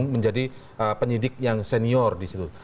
menjadi penyidik yang senior di situ